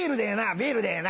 ビールでええな？」。